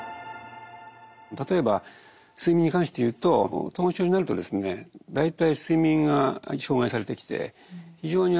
例えば「睡眠」に関していうと統合失調症になるとですね大体睡眠が障害されてきて非常に短時間睡眠になるんですね。